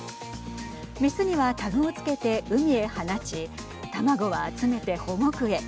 雌にはタグを付けて海へ放ち卵は集めて保護区へ。